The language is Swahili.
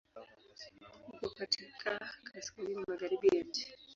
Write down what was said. Uko katika kaskazini-magharibi ya nchi.